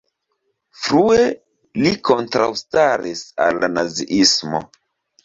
Frue li kontraŭstaris al la naziismo.